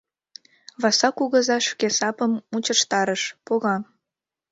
— Васа кугыза шке сапым мучыштарыш, пога.